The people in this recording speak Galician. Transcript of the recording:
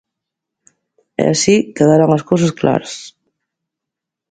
E así quedarán as cousas claras.